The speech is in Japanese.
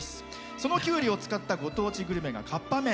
そのきゅうりを使ったご当地グルメが、かっぱ麺。